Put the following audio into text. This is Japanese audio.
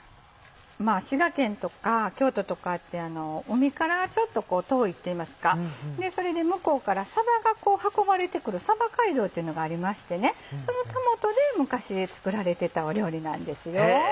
滋賀県とか京都とかって海からちょっと遠いっていいますか向こうからさばが運ばれてくる鯖街道っていうのがありましてそのたもとで昔作られてた料理なんですよ。